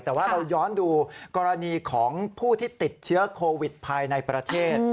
แต่ว่าเราย้อนดูกรณีของผู้ที่ติดเชื้อโควิดภายในประเทศ